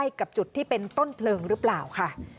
กับจุดที่เป็นต้นเพลิงหรือเปล่าค่ะ